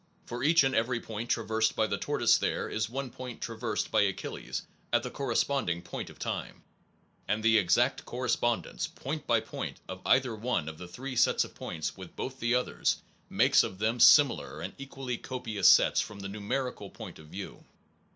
For each and every point traversed by the tortoise there is one point traversed by Achilles, at the corresponding point of time; and the exact correspondence, point by point, of either one of the three sets of points with 180 NOVELTY AND THE INFINITE both the others, makes of them similar and equally copious sets from the numerical point of view.